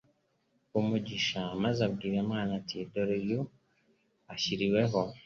umugisha, maze abwira Mana ati: «Dore, uyu ashyiriweho